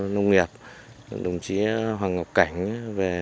nông nghiệp đồng chí hoàng ngọc cảnh về